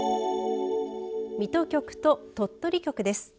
水戸局と鳥取局です。